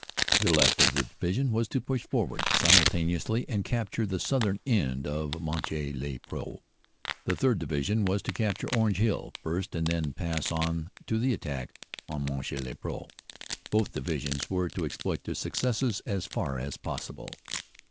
The left of the Division was to push for ward simultaneously and capture the southern end of Monchy le Preux. The 3rd. Division was to capture Orange Hill first and then pass on to the attack on Monchy le Preux. Both Divisions were to exploit their success as far as possible.